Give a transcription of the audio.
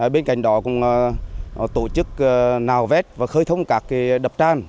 bên cạnh đó cũng tổ chức nào vét và khơi thông các đập tràn